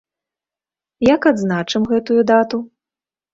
Як адзначым гэтую дату?